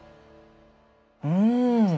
うん！